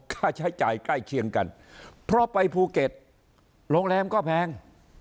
ค่าใช้จ่ายใกล้เคียงกันเพราะไปภูเก็ตโรงแรมก็แพง